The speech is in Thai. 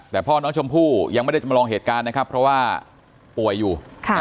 แต่พ่อน้องชมพู่ยังไม่ได้จำลองเหตุการณ์นะครับเพราะว่าป่วยอยู่